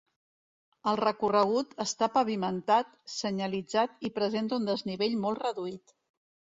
El recorregut està pavimentat, senyalitzat i presenta un desnivell molt reduït.